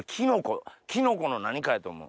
キノコの何かやと思う。